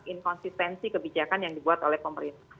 inkonsistensi kebijakan yang dibuat oleh pemerintah